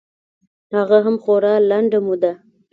هغه هم خورا لنډه موده.